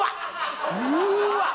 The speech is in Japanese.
うわっ！